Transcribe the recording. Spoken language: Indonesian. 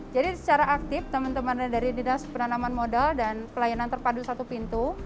jadi secara aktif teman teman dari dinas penanaman modal dan pelayanan terpadu satu pintu